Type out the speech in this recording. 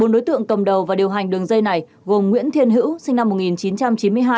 bốn đối tượng cầm đầu và điều hành đường dây này gồm nguyễn thiên hữu sinh năm một nghìn chín trăm chín mươi hai